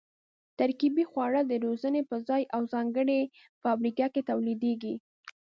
ترکیبي خواړه د روزنې په ځای او ځانګړې فابریکه کې تولیدېږي.